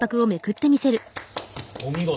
お見事！